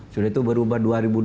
sudah itu berubah dua ribu dua puluh